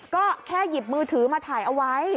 ก็แค่หยิบมือถือมาถ่ายเอาไว้